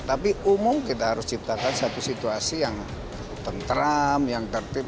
tapi umum kita harus ciptakan satu situasi yang tentram yang tertib